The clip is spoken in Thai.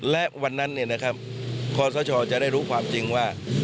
และวันนั้นเนี่ยนะครับขอสชจะได้รู้ความจริงว่า